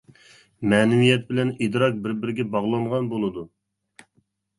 مەنىۋىيەت بىلەن ئىدراك بىر-بىرىگە باغلانغان بولىدۇ.